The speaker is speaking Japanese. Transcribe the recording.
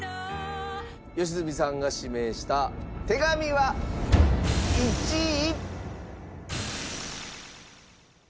良純さんが指名した『手紙』は１位。